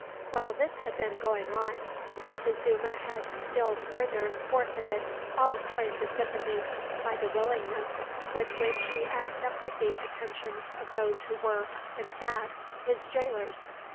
While this had been going on, Montezuma had still further forfeited all claim to sympathy, by the willingness with which he accepted the attentions of those who were, in fact, his gaolers.